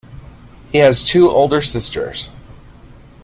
He has two older sisters.